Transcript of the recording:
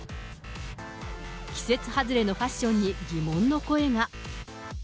季節外れのファッションに疑問の声が。